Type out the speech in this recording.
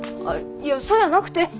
あっいやそやなくて！